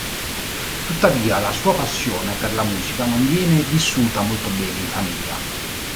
Tuttavia, la sua passione per la musica non viene vissuta molto bene in famiglia.